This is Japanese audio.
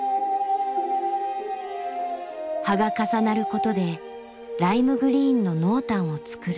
葉が重なることでライムグリーンの濃淡をつくる。